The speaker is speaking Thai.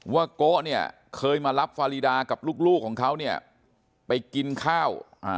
โกะเนี่ยเคยมารับฟารีดากับลูกของเขาเนี่ยไปกินข้าว